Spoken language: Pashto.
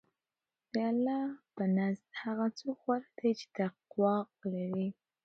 د الله په نزد هغه څوک غوره دی چې تقوی ولري.